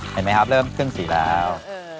เห็นไหมครับเริ่มเคลื่อนสี่แล้ว